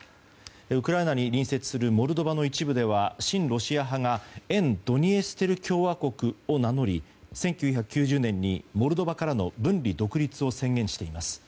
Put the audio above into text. ウクライナに隣接するモルドバの一部では親ロシア派が沿ドニエステル共和国を名乗り１９９０年にモルドバからの分離独立を宣言しています。